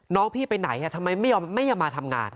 น้องพี่ไปไหนทำไมไม่ยอมมาทำงาน